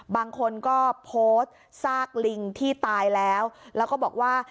บางคนก็โพสต์ซากลิงที่ตายแล้วแล้วก็บอกว่า